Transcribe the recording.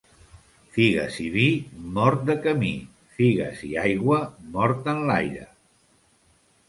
Figues i vi, mort de camí; figues i aigua, mort enlaire.